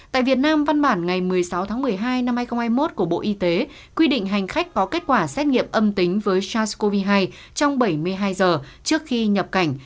tại việt nam văn bản ngày một mươi sáu tháng một mươi hai năm hai nghìn hai mươi một của bộ y tế quy định hành khách có kết quả xét nghiệm âm tính với sars cov hai trong bảy mươi hai giờ trước khi nhập cảnh